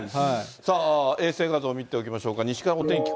さあ、衛星画像見ておきましょうか。